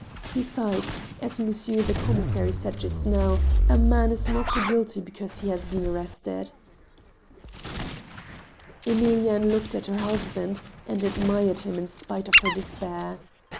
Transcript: Besides, as Monsieur the Commissary said just now, a man is not guilty because he has been arrested —" Emilienne looked at her husband, and admired him in spite of her despair.